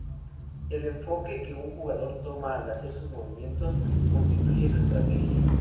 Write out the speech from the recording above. El enfoque que un jugador toma al hacer sus movimientos constituye su estrategia.